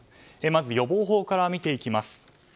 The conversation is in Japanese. まず、予防法から見ていきます。